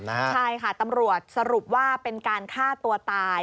ใช่ค่ะตำรวจสรุปว่าเป็นการฆ่าตัวตาย